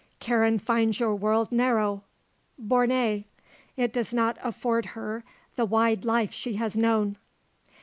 Karen finds your world narrow; borné; it does not afford her the wide life she has known."